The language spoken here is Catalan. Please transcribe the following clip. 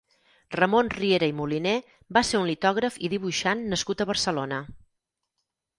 Ramon Riera i Moliner va ser un litògraf i dibuixant nascut a Barcelona.